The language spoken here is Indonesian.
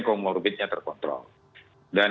komorbidnya terkontrol dan